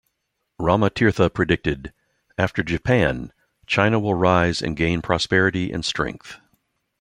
Rama Tirtha predicted: After Japan, China will rise and gain prosperity and strength.